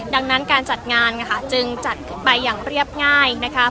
ดังนั้นการจัดงานจึงจัดขึ้นไปอย่างเรียบง่ายนะคะ